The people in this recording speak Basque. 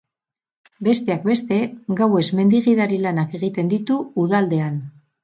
Besteak beste, gauez mendi gidari lanak egiten ditu uda aldean.